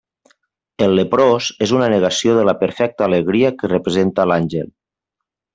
El leprós és una negació de la perfecta alegria que representa l'àngel.